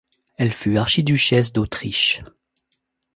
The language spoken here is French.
Elle fut archiduchesse d'Autriche.